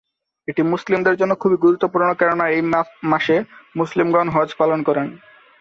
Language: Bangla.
এটি মুসলিমদের জন্য খুবই গুরুত্বপূর্ণ কেননা এই মাসে মুসলিমগণ হজ্ব পালন করেন।